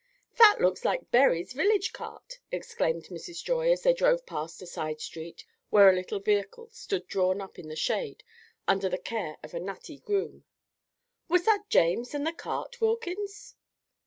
"That looks like Berry's village cart," exclaimed Mrs. Joy, as they drove past a side street where a little vehicle stood drawn up in the shade under the care of a natty groom. "Was that James and the cart, Wilkins?"